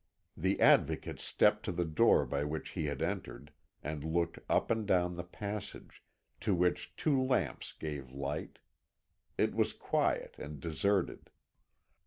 The Advocate stepped to the door by which he had entered, and looked up and down the passage, to which two lamps gave light. It was quiet and deserted.